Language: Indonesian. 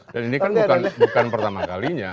dan ini kan bukan pertama kalinya